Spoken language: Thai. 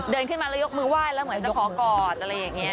เดินขึ้นมาแล้วยกมือไหว้แล้วเหมือนจะขอกอดอะไรอย่างนี้